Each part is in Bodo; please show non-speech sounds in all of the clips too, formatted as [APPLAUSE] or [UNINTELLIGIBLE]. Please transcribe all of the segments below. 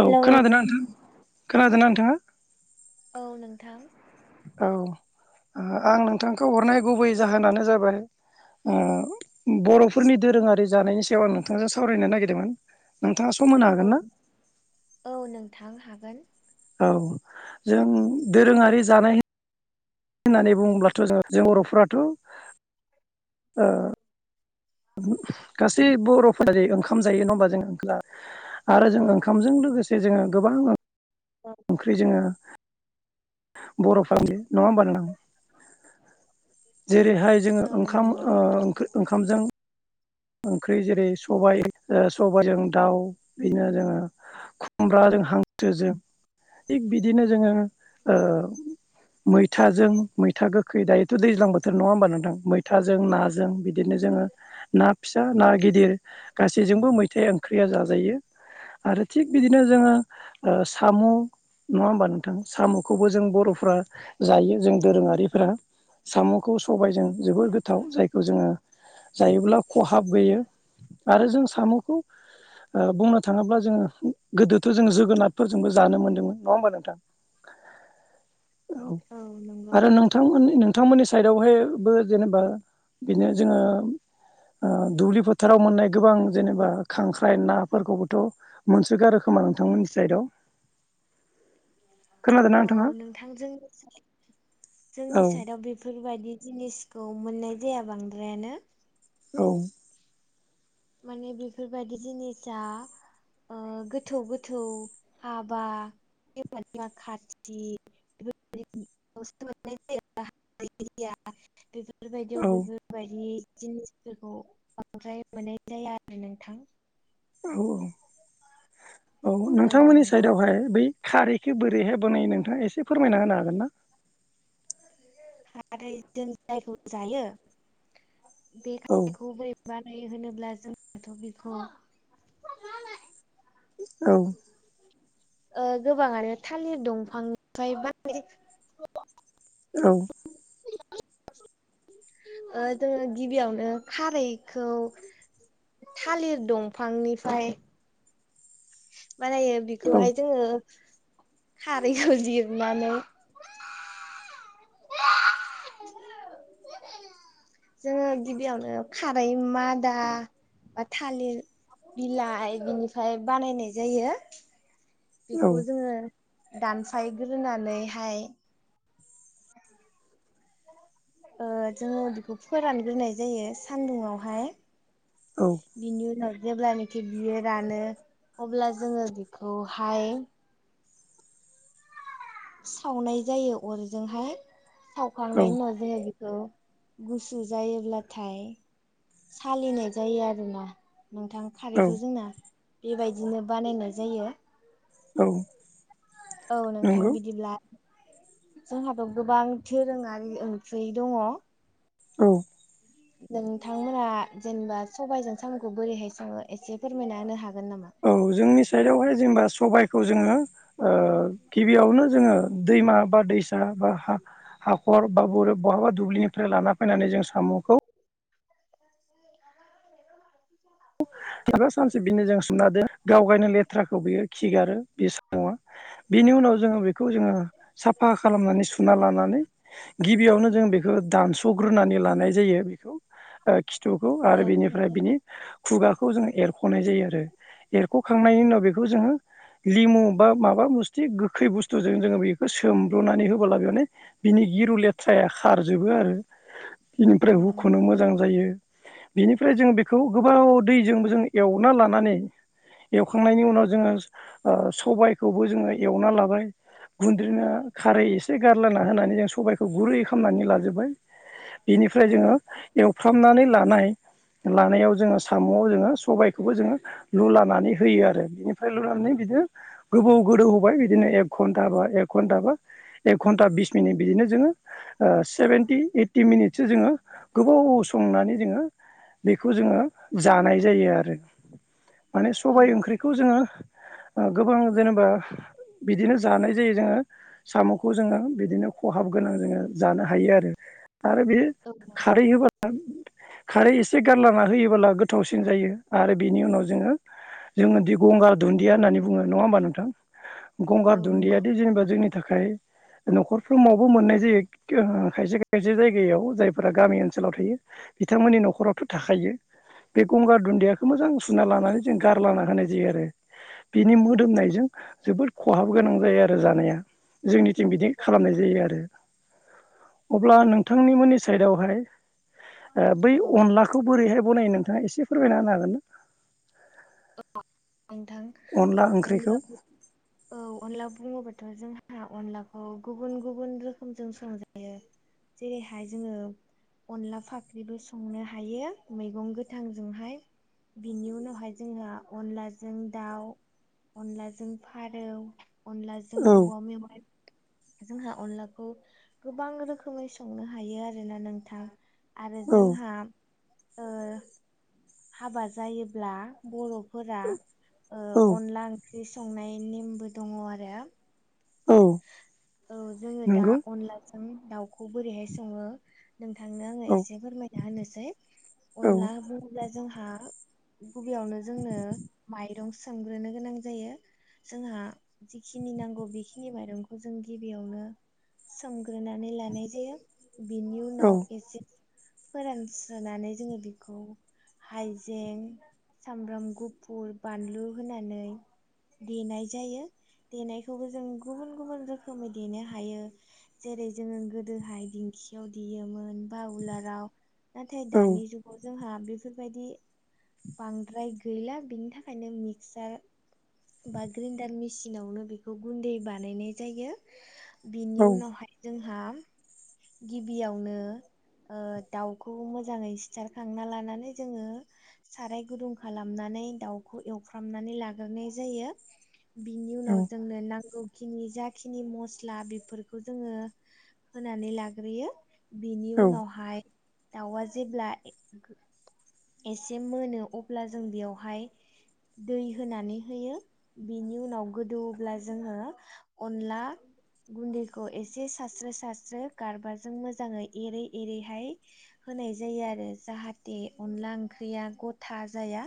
औ खोनादों ना नोंथां खोनादों ना नोंथाङा औ नोंथां औ आं नोंथांखौ हरनाय गुबै जाहोनानो जाबाय ओ बर'फोरनि दोरोङारि जानायनि सायाव आं नोंथांजों सावरायनो नागिरदोंमोन नोंथाङा सम होनो औ हागोन ना औ नोंथां हागोन औ जों दोरोङारि जानाय होननानै बुङोब्लाथ' जों जों बर'फोराथ' ओ गासै बर'फोरा जे ओंखाम जायो नङा होमबा जों ओंखाम आरो जों ओंखामजों लोगोसे जोङो गोबां औ ओंख्रि जोङो बर'फ्रालि नङा होनबा नोंथां जेरैहाय जोङो ओंखाम नंगौ ओ ओं ओं ओंख्रि जेरै सबाइ ओ सबागजों दाउ बेनो जोङो खुमब्राजों हांसोजों थिग बिदिनो जोङो ओ मैथाजों मैथा गोखै दायोथ' दैज्लां बोथोर नङा होमबा नोंथां मैथाजों नाजों बिदिनो जों जोङो ना फिसा ना गिदिर गासैजोंबो मैथाया ओंख्रिया जाजायो आरो थिग बिदिनो जोङो ओ साम' नङा होमबा नोंथां साम' खौबो जों बर'फ्रा जायो जों दोरोङारिफ्रा साम' खौ सबायजों जोबोर गोथाव जायखौ जोङो जायोब्ला खहाब गैयो आरो जों साम'खौ ओ बुंनो थाङोब्ला जोङो गोदोथ' जो जोगोनारफोरजोंबो जानो मोन्दोंमोन नङा होमबा नोंथां औ आरो नोंथांमोन नोंथांमोननि साइदावहाय बो जेनेबा बिनो जोङो ओ दुब्लि फोथाराव मोननाय गोबां जेनेबा खांख्राइ नाफोरखौबोथ' मोनसो गारोखोमा नोंथांमोननि साइदाव औ नोंथांजों औ जोंनि साइदाव बेफोरबायदि जिनिसखौ मोननाय जाया बांद्रायानो औ माने बेफोरबायदि जिनिसा ओ गोथौ गोथौ हाबा [UNINTELLIGIBLE] [UNINTELLIGIBLE] बेफोरबायदियाव औ बेफोरबायदि जिनिसफोरखौ बांद्राय मोननाय जाया आरो नोंथां औ औ औ नोंथांमोननि साइदआवहाय बै खारैखो बोरैहाय बानायो नोंथाङा एसे फोरमायना होनो हागोन ना [UNINTELLIGIBLE] जायखौ जायो बे औ खारैखौ बोरै बानायो होनोब्ला जोंथ' बेखौ औ [UNINTELLIGIBLE] ओ गोबाङानो थालिर दंफांनिफ्राय बानायो औ ओ जोङो गिबियावनो खारैखौ थालिर दंफांनिफ्राय बानायो औ बेखौहाय जोङो खारैखौ जिरनानै [INAUDIBLE] जोङो गिबियावनो खारै मादा बा थालिर बिलाइ बिनिफ्राय बानायनाय जायो औ बेखौ जोङो दानफायग्रोनानैहाय ओ जोङो बेखौ फोरानग्रोनाय जायो सान्दुङावहाय औ बिनि उनाव जेब्लानिखि बियो रानो अब्ला जोङो बिखौहाय सावनाय जायो अरजोंहाय औ सावखांनायनि उनाव जोङो गुसु जायोब्लाथाय सालिनाय जायो आरोना नोंथां खारैखौ औ जोंना बेबायदिनो बानायनाय जायो औ औ नोंथां नंगौ बिदिब्ला जोंहाथ' गोबां दोरोङारि ओंख्रि दङ औ नोंथांमोना जेनेबा सबाइजों साम'खौ बोरैहाय सङो एसे फोरमायना होनो हागोन नामा? औ जोंनि साइदावहाय जेनेबा सबाइ खौ जोङो ओ गिबियावनो जोङो दैमा बा दैसा बा हा हाखर बा बहाबा दुब्लिनिफ्राय लाना फैनानै जों साम'खौ [UNINTELLIGIBLE] एबा सानसे बिनो जों सोमना दोन गावगायनो लेथ्राखौ बियो खिगारो बे साम'आ बिनि उनाव जोङो बेखौ जोङो साफा खालामनानै सुना लानानै गिबियावनो जों बेखौ दानस'ग्रोनानै लानाय जायो बेखौ खिथुखौ दे आरो बिनिफ्राय नोंगौ बिनि खुगा जों एरख'नाय जायो आरो एरख'खांनायनि उनाव बेखौ जोङो लिमु बा माबा बुस्थि गोखै बुस्थुजों जोङो बेखौ सोमब्रुनानै होबोला बि माने गिरु लेथ्राया खारजोबो आरो बेनिफ्राय औ हुखुनो नंगौ मोजां जायो बिनिफ्राय जों बेखौ गोबाव दैजोंबो जों एवना लानानै एवखांनायनि उनाव जोङो ओ सबायखौबो जोङो एवना लाबाय गुन्द्रिना खारै एसे गारलाना होनानै जों सबायखौ गुरै खालामनानै लाजोबबाय बिनिफ्राय औ जोङो नंगौ एवफ्रामनानै लानाय लानायाव जोङो साम'आव जोङो सबायखौबो जोङो लुलानानै होयो आरो बिनिफ्राय लुनानै बिदिनो गोबौ गोदौ होबाय बि बिदिनो एक घन्टा बा एक घन्टा बा एक घन्टा बिस मिनिट बिदिनो जोङो ओ सेभेेनटि ओइटि मिनिटसो जोङो गोबाव संनानै जोङो बेखौ जोङो जानाय जायो आरो माने औ सबाय ओंख्रिखौ जोङो ओ गोबां जेनेबा बिदिनो जानाय जायो जोङो साम'खौ जोङो बिदिनो खहाब गोनां जोङो जानो हायो आरो आरो बे औ नंगौ खारै होबा खारै एसे गारलाना होयो बोला गोथावसिन जायो आरो बिनि उनाव जोङो जोंङोदि गंगार दुन्दिया होननानै बुङो नङा होमबा नोंथां औ गंगार नंगौ दुन्दियादि जेनेबा जोंनि थाखाय नखरफ्रोमावबो मोननाय जायो ओ खायसे खायसे खायसे जायगायाव जायफोरा गामि ओनसोलाव थायो बिथांमोननि नखरावथ' थाखायो बे गंगार दुन्दियाखौ मोजां सुना लानानै जों गारलांना होनाय जायो आरो बिनि मोदोमनायजों जोबोद खहाब गोनां जायो आरो जानाया जोंनिथिं बिदि खालामनाय जायो आरो अब्ला नोंथांनिमोननि साइदावहाय बै औ अनलाखौ बोरैहाय बा बनायो नोंथाङा एसे फोरमायना होनो हागोन ना औ नोंथां अनला औ अनला बुङोबाथ' जों हा अनलाखौ गुबुन गुबुन रोखोमजों संजायो जेरैहाय जोङो अनला फाख्रिबो संनो हायो मैगं गोथांजोंहाय बिनि उनावहाय जोंहा अनलाजों दाउ अनलाजों फारौ अनलाजों औ औवा मेवाइ जोंहा अनलाखौ गोबां रोखोमै संनो हायो आरोना नोंथां आरो औ जोंहा ओ हाबा जायोब्ला बर'फोरा ओ औ अनला ओंख्रि संनाय नेमबो दङ आरो औ औ जोङो दा नंगौ अनलाजों दाउखौ बोरैहाय सङो नोंथांनो आङो औ एसे फोरमायना होनोसै औ अनला बुङोब्ला जोंहा खुबियावनो जोंनो माइरं सोमग्रोनो गोनां जायो जोंहा जिखिनि नांगौ बेखि नि माइरंखौ जों गिबियावनो सोमग्रोनानै लानाय जायो बिनि औ उनाव एसे फोरानस्रोनानै जोङो बेखौ हाइजें सामब्राम गुफुर बानलु होनानै देनाय जायो देनायखौबो जों गुबुन [INAUDIBLE] गुबुन रोखोमै देनो हायो जेरै जोङो गोदोहाय दिंखियाव देयोमोन‌ बा उलार राव नाथाय औ दानि जुगाव जोंहा बेफोरबायदि बांद्राय गैला बिनि थाखायनो मिक्सार बा ग्रेन्डार मेसिनावनो बेखौ गुन्दै बा बानायनाय जायो बिनि औ उनावहाय जोंहा गिबियावनो ओ दाउखौ मोजाङै सिथारखांना लानानै जोङो साराय गुदुं खालामनान नै दावखौ एवफ्रामनानै लाग्रोनाय जायो बिनि औ उनाव जोंनो नांगौ खिनि जाखिनि मस्ला बेफोरखौ जोङो होनानै लाग्रोयो बेनि उनावहाय दाउआ जेब्ला ए गो एसे मोनो अब्ला जों बेयावहाय दै होनानै होयो बिनि उनाव गोदौब्ला जोङो अनला गुन्दैखौ एसे सारस्रो सारस्रो गारबाजों मोजाङै एरै एरैहाय होनाय जायो आरो जाहाथे अनला ओंख गैया गथा जाया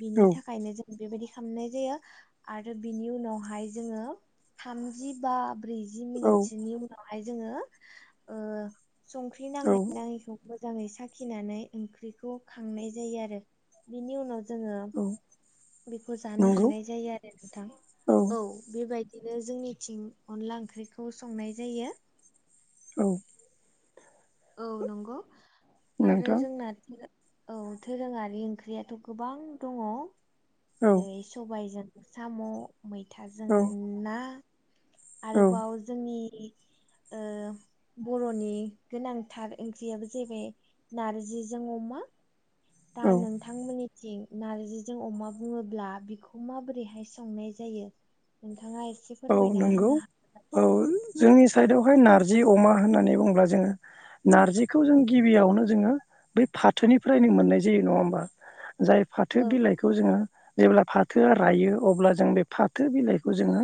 बिनि थाखायनो जों बेबायदि खालामनाय जायो आरो बिनि उनावहाय जोङो थामजि बा ब्रैजि औ मिनिटसोनि उनावहाय जोङो ओ संख्रि औ नांनाय नाङैखौ बो मोजाङै साखिनानै ओंख्रिखौ खांनाय जायो आरो बिनि उनाव जोङो औ बेखौ जानो नंगौ हानाय जायो आरो नोंथां औ बेबायदि बिदिनो जोंनिथिं अनला ओंख्रिखौ संनाय जायो औ औ नंगौ आरो नोंथां जोंनाथ औ दोरोङारि ओंख्रियाथ गोबां दङ औ जेरै सबायाइजों साम मैथाजों औ ना औ आरोबाव जोंनि बर'नि गोनांथार ओंख्रियाबो जाहैबाय नारजिजों अमा दा औ नोंथांमोननिथिं नारजिजों अमा बुङोब्ला बेखौ माबोरैहाय संनाय जायो नोंथाङा एसे औ फोरमायना नंगौ होनो हागोन औ जोंनि साइदावहाय नार्जि अमा होननानै बुंङोब्ला जोङो नारजिखौ जों गिबियावनो जोङो बै फाथोनिफ्रायनो मोननाय जायो नङा होमबा जाय फाथो औ बिलाइखौ जोङो जेब्ला फाथोआ रायो अब्ला जों बे फाथो बिलाइखौ जोङो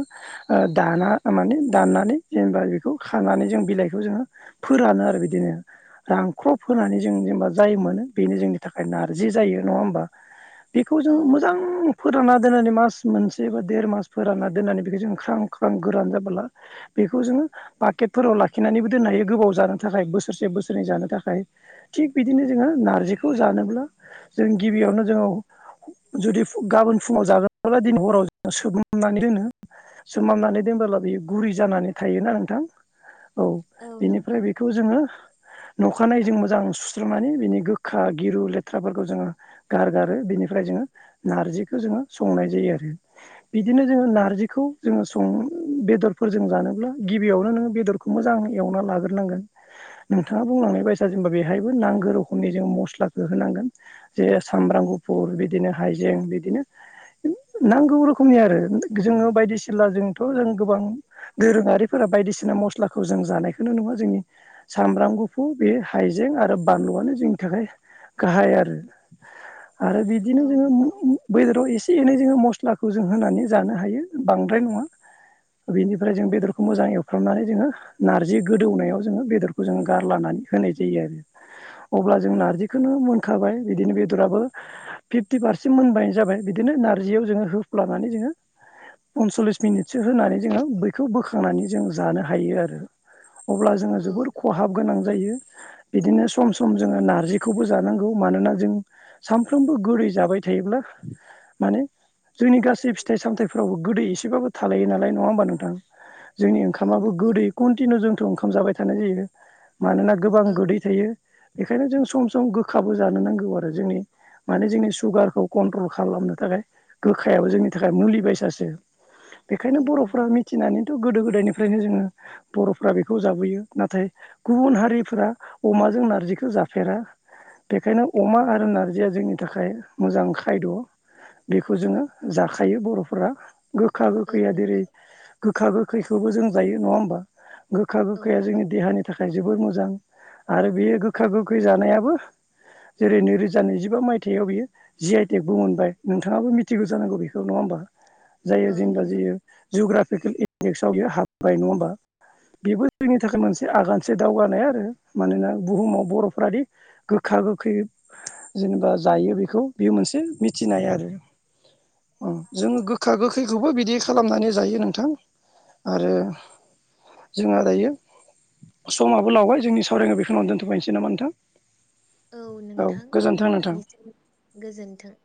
दाना माने दाननानै जेनेबा बेखौ खानानै जों बिलाइखौ जोङो फोरानो आरो बिदिनो रानख्रब औ होनोनानै जों जेनेबा जाय मोनो बेनो जोंनि थाखाय नारजि जायो नङा होमबा बेखौ जों औ मोजां नंगौ फोरानना दोननानै मास मोनसे बा देर मास फोरानना दोननानै बेखौ जों ख्रां ख्रां गोरान जाबोला बेखौ जोङो पाकेटफोराव लाखिनानैबो दोननो हायो गोबाव जानो थाखाय थाखाय बोसोरसे बोसोर जानो थाखाय थिग बिदिनो जोङो नारजिखौ जानोब्ला जों गिबियावनो जोङो जुदि गाबोन फुङाव जाग्राब्ला दिनै हराव ज सोगोमनानै दोनो सोमाननानै दोनबोला बियो गुरि जानानै थायोना नोंथां औ बिनिफ्राय बेखौ जोङो नखानाय जों मोजां सुस्रांनानै बिनि गोखा गिरु लेथ्राफोरखौ जोङो गारगारो बिनिफ्राय जोङो नारजिखौ जोङो संनाय जायो‌ आरो बिदिनो जोङो नारजि बेखौ जोङो सं बेदरफोरजों जानोब्ला गिबियावनो नोङो बेदरखौ मोजां एवना लाग्रोनांगोन नोंथाङा बुंलांनाय बायसा जेनेबा बेहायबो नांगौ रखमनि जों मस्लाखौ होनांगोन जे सामब्राम गुफुर बिदिनो हायजें बगदिनो नांगौ रोखोमनि आरो जोङो बसिला जोंथ जों गोबां दोरोङारिफोरा बायदिसिना मस्लाखौ जों जानायखौनो नुङा जोंनि सामब्राम गुफुर बे हाइजें आरो बानलुआनो जोंनि थाखाय गाहाय आरो आरो बिदिनो औ नंगौ जोङो बेदराव एसे एनै जोङो मस्लाखौ जों होनानै जानो हायो बांद्राय नङा बेनिफ्राय जों बेदरखौ मोजां एवफ्रामनानै जोङो नारजि गोदौनायाव जोङो बेदर बेसोरखौ जोङो गारनानै होनाय जायो आरो अब्ला जों नारजिखौनो मोनखाबाय बिदिनो बेदराबो फिफ्टि पारसेन्ट मोनबायानो जाबाय बिदिनो नारजियाव जोङो होफ्लानानै जोङो पनसल्लिस मिनिटसो होनानै जोङो बैखौ बोखांनानै जों जानो हायो आरो अब्ला जोङो जोबोर खहाब गोनां जायो बिदिनो सम सम जोङो नारजिखौबो जानांगौ मानोना जों सानफ्रोमबो गुरै जाबाय थायोब्ला माने जोंनि गासै फिथाइ सामथायफोरावबो गोदै एसेबाबो थालायो नालाय नङा होमबा नोंथां जोंनि औ ओंखामाबो नंगौ औ नंगौ गोदै कन्टिनिउ जोंथ ओंखाम जाबाय थानाय जायो मानोना गोबां औ गोदै थायो बेखायनो जों सम सम गोखाबो जानो नांगौ आरो जोंनि माने जोंनि सुगारखौ कन्ट्रल खालामनो थाखाय गोखायाबो जोंनि थाखाय मुलि बायसासो बेखायनो औ नंगौ बर'फोरा मिथिनानै गोदो गोदायनिफ्रायनो जोङो बर'फ्रा बेखौ जाबोयो नाथाय गुबुन हारिफ अमा जों नारजिखौ जाफेरा बेखायनो अमा आरो नारजिया जोंनि थाखाय मोजां खायद बेखौ जोङो जाखायो बर'फोरा। गोखा औ गोखैया नंगौ जेरै गोखा गोखैखौबो जों जायो नङा होमबा? गोखा औ गोखैआ नंगौ जोंनि देहानि थाखाय जोबोर मोजां आरो बेयो गोखा गोखै जानायाबो जेरै नैरोजा नैजिबा मायथाइयाव बियो जि आइ टेकबो मोनबाय नोंथाङाबो मिथिगौ जानांगौ बेखौ नङा बा जायो औ जेनेबा नंगौ जों जग्राफिकेल इडेक्सआव बे हाबबाय नङा होमबा बेबो? जोंनि थाखाय मोनसे आगानसे दावगा आरो मानोना बुहुमाव बर'फोरादि गोखा गोखै जेनेबा जायो बेखौ बेयो मोनसे मिथिनाय आरो जोङो गो गोखा गोखैखौबो बिदि खालामनानै जायो नोंथां आरो जोंहा दायो समाबो लावबाय जोंनि सावरायनायो बेखौनावनो दोनथ'नोसै नामा नोंथां? औ नोंथां गोजोन्थों नोंथां नोंथांनिसिम गोजोन्थों।